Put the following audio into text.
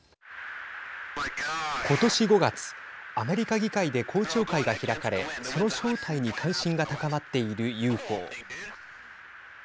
ことし５月アメリカ議会で公聴会が開かれその正体に関心が高まっているＵＦＯ。